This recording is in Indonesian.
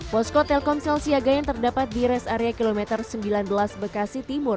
posko telkomsel siaga yang terdapat di res area kilometer sembilan belas bekasi timur